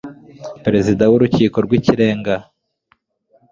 perezida wu rukiko rwikirenga